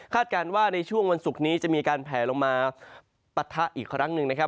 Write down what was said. การว่าในช่วงวันศุกร์นี้จะมีการแผลลงมาปะทะอีกครั้งหนึ่งนะครับ